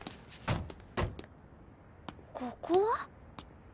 ここは？